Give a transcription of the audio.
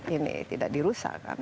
ini tidak dirusakkan